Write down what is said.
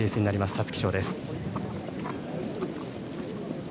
皐月賞です。